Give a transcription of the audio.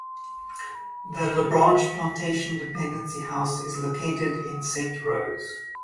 The LaBranche Plantation Dependency House is located in Saint Rose.